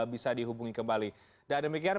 bisa dihubungi kembali dan demikian